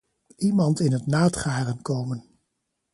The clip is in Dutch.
Iemand in het naadgaren komen.